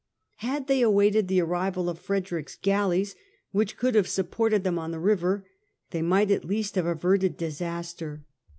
Had they awaited the arrival of Frederick's galleys, which could have supported them on the river, they might at least have averted disaster.